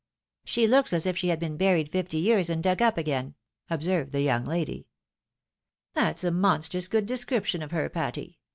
" She looks as if she hkd been buried fifty years and dug up again," observed the young lady. "That's a monstrous good description of her, Patty.